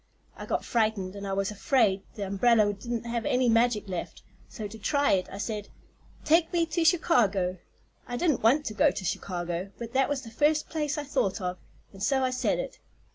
I got frightened and was afraid the umbrella didn't have any magic left, so to try it I said: 'Take me to Chicago.' I didn't want to go to Chicago, but that was the first place I thought of, and so I said it.